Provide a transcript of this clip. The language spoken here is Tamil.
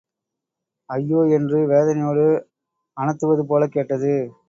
ஐயோ! என்று வேதனையோடு அனத்துவது போலக் கேட்டது.